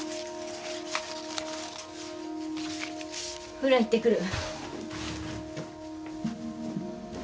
フラ行ってくる。